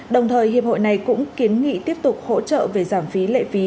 đồng thời hiệp hội này cũng kiến nghị tiếp tục hỗ trợ về giảm phí lệ phí